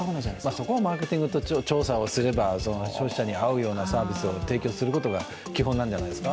そこはマーケティングをちゃんとすれば消費者に会うようなサービスを提供することが基本なんじゃないですか。